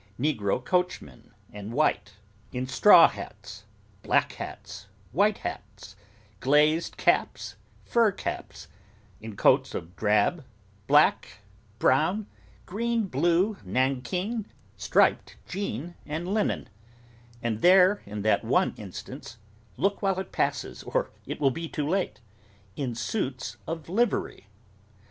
Negro coachmen and white; in straw hats, black hats, white hats, glazed caps, fur caps; in coats of drab, black, brown, green, blue, nankeen, striped jean and linen; and there, in that one instance (look while it passes, or it will be too late), in suits of livery.